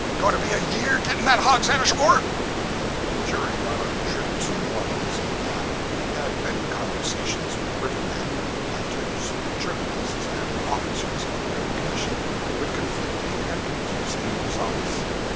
going to be a year getting that hogshead ashore?'_ During our trip to New Orleans and back, we had many conversations with river men, planters, journalists, and officers of the River Commission with conflicting and confusing results.